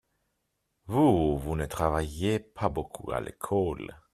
Vous, vous ne travailliez pas beaucoup à l'école.